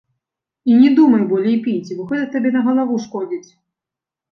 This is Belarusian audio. І не думай болей піць, бо гэта табе на галаву шкодзіць.